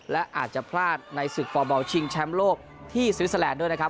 และอาจจะพลาดในศึกฟอร์บอลชิงแชมป์โลกที่สวิสเตอร์แลนด์ด้วยนะครับ